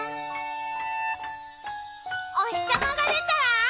「おひさまがでたらわーい！